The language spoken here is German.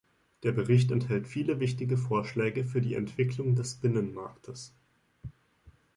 Der Bericht enthält viele wichtige Vorschläge für die Entwicklung des Binnenmarktes.